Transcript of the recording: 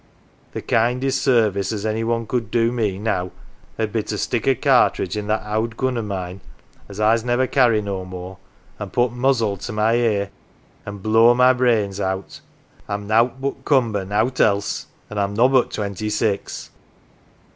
The kindest service as any one could do me now 'ud be to stick a cartridge i' that owd gun o' mine, as I's never carry no more, an' put muzzle t' my ear an' blow my brains out. I'm nowt but cumber, nowt else ; an' I'm nobbut twenty six